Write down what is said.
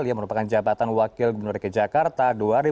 dia merupakan jabatan wakil gubernur ke jakarta